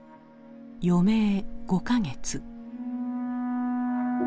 余命５か月。